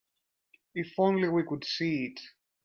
If only we could see it.